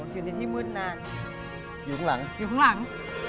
จะตามแม่งเปิดเอง